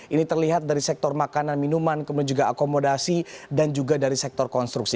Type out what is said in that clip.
ini terlihat dari sektor makanan minuman kemudian juga akomodasi dan juga dari sektor konstruksi